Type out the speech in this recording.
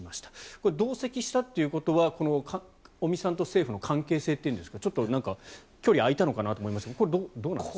これ、同席したということは尾身さんと政府の関係性というんでしょうかちょっと距離が空いたのかなと思いましたがこれはどうなんですか？